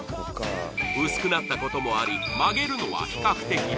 薄くなったこともあり、曲げるのは比較的、楽。